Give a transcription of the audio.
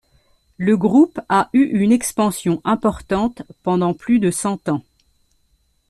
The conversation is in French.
Le groupe a eu une expansion importante pendant plus de cent ans.